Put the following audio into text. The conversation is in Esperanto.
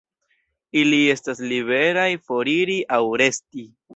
Ili estas liberaj foriri aŭ resti.